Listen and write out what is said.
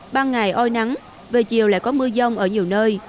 ban ngày oi nắng về chiều lại có mưa dông ở nhiều nơi